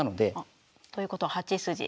あっということは８筋。